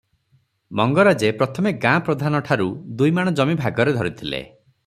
ମଙ୍ଗରାଜେ ପ୍ରଥମେ ଗାଁ ପ୍ରଧାନ ଠାରୁ ଦୁଇମାଣ ଜମି ଭାଗରେ ଧରିଥିଲେ ।